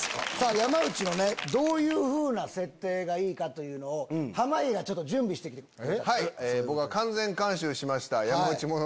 山内のどういうふうな設定がいいかというのを濱家が準備して来てくれた。